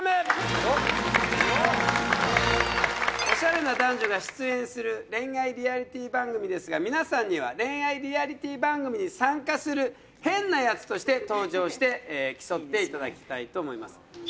オシャレな男女が出演する恋愛リアリティー番組ですが皆さんには恋愛リアリティー番組に参加する変なヤツとして登場して競っていただきたいと思います